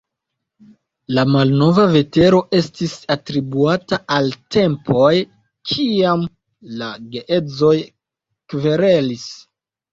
La malbona vetero estis atribuata al tempoj kiam la geedzoj kverelis.